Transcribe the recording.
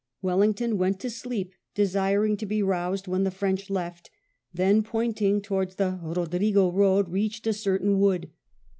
Wellington went to sleep, desiring to be roused when the French left, then pointing towards the Eodrigo road, reached a certain wood.